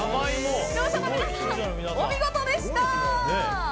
視聴者の皆さん、お見事でした。